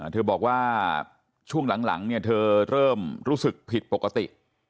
เธอบอกว่าช่วงหลังเธอเริ่มรู้สึกผิดปกติ